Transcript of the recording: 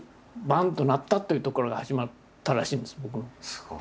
すごい。